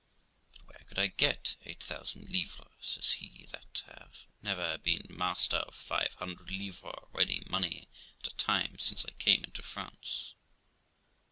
' But where could I get eight thousand livres ', says he, ' that have never been master of five hundred livres ready money at a time since I came into France?'